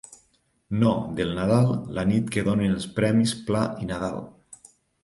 No, del Nadal, la nit que donen els premis Pla i Nadal.